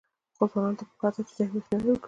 ځوانانو ته پکار ده چې، جنګ مخنیوی وکړي